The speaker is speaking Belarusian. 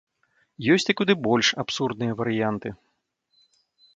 Ёсць і куды больш абсурдныя варыянты.